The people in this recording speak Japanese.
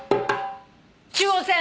中央線。